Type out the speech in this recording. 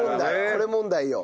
これ問題よ。